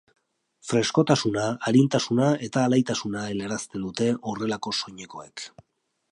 Freskotasuna, arintasuna eta alaitasuna helarazten dute horrelako soinekoek.